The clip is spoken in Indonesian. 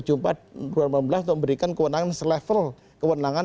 untuk memberikan kewenangan selevel kewenangan